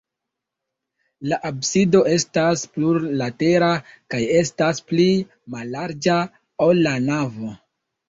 La absido estas plurlatera kaj estas pli mallarĝa, ol la navo.